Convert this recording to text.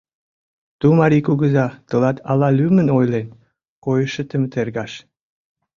— Ту мари кугыза тылат ала лӱмын ойлен, койышетым тергаш.